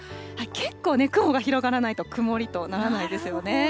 結構ね、雲が広がらないと曇りとならないですよね。